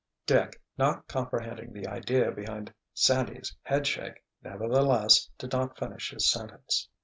Dick, not comprehending the idea behind Sandy's headshake, nevertheless, did not finish his sentence.